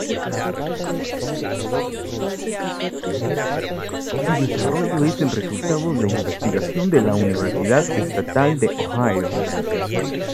Su desarrollo es el resultado de la investigación de la Universidad Estatal de Ohio.